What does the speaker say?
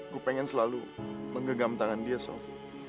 gue pengen selalu mengegam tangan dia sof